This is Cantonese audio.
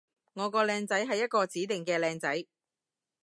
我個靚仔係一個指定嘅靚仔